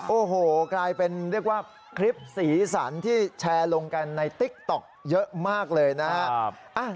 โอ้โหกลายเป็นเรียกว่าคลิปสีสันที่แชร์ลงกันในติ๊กต๊อกเยอะมากเลยนะครับ